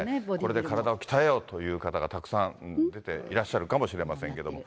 これで体を鍛えようという方がたくさん出ていらっしゃるかもしれませんけれども。